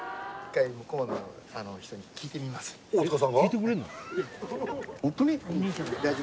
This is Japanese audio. はい大塚さんが？